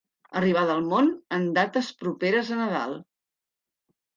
Arribada al món en dates properes a Nadal.